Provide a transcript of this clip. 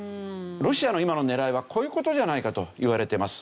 ロシアの今の狙いはこういう事じゃないかといわれてます。